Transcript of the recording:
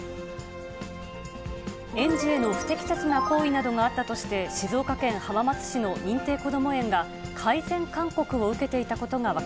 園児への不適切な行為などがあったとして、静岡県浜松市の認定こども園が、改善勧告を受けていたことが分か